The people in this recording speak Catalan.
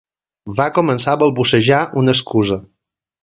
Va començar a balbucejar una excusa.